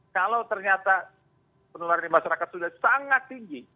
kalau ternyata penularan di masyarakat sudah sangat tinggi